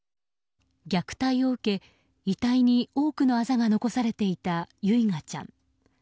虐待を受け、遺体に多くのあざが残されていた唯雅ちゃん。